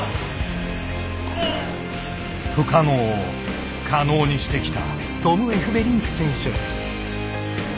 不可能を可能にしてきた。